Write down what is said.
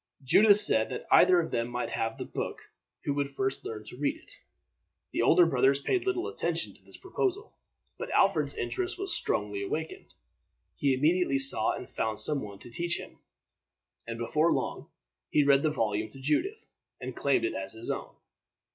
Judith said that either of them might have the book who would first learn to read it. The older brothers paid little attention to this proposal, but Alfred's interest was strongly awakened. He immediately sought and found some one to teach him, and before long he read the volume to Judith, and claimed it as his own.